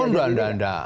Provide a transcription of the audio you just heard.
oh enggak enggak enggak